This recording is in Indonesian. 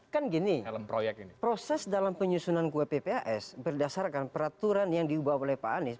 kan gini proses dalam penyusunan kuappas berdasarkan peraturan yang diubah oleh pak anies